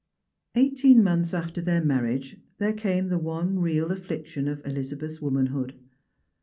Eighteen months after their marriage there came the one real affliction of Elizabeth's womanhood.